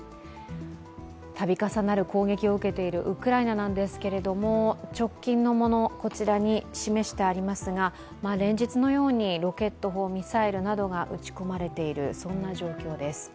度重なる攻撃を受けているウクライナですが、直近のもの、こちらに示してありますが連日のようにロケット砲、ミサイルなどが撃ち込まれている状況です。